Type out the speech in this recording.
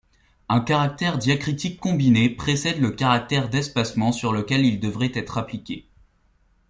Un caractère diacritique combiné précède le caractère d'espacement sur lequel il devrait être appliqué.